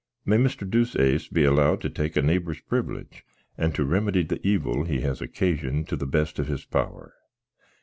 "May Mr. Deuceace be allowed to take a neighbour's privilege, and to remedy the evil he has occasioned to the best of his power?